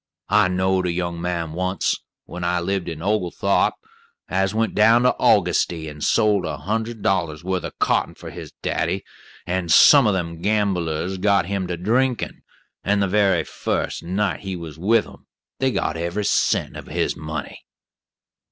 I knowed a young man once, when I lived in Ogletharp, as went down to Augusty and sold a hundred dollars' worth of cotton for his daddy, and some o' them gambollers got him to drinkin', and the very first night he was with 'em they got every cent of his money."